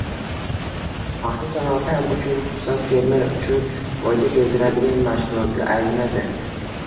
paxta sanoati hamma uchun, xususan, fermer uchun foyda keltiradigan mashg‘ulotga aylanadi.